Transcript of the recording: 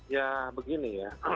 ya begini ya